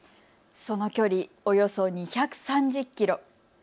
その距離およそ２３０キロ。